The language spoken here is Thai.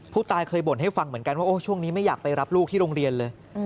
ผู้ตายเคยบ่นให้ฟังเหมือนกันว่าช่วงนี้ไม่อยากไปรับลูกที่โรงเรียนเลย